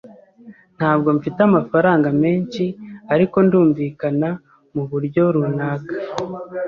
Ntabwo mfite amafaranga menshi, ariko ndumvikana muburyo runaka.